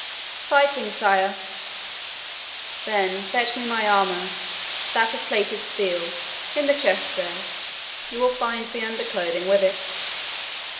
'Fighting, sire.' 'Then fetch me my armour that of plated steel, in the chest there. You will find the underclothing with it.'